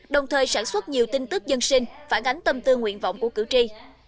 đồng thời sản xuất nhiều tin tức dân sinh phản ánh tâm tư nguyện vọng của cử tri